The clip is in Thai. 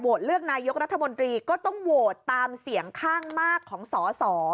เลือกนายกรัฐมนตรีก็ต้องโหวตตามเสียงข้างมากของสอสอ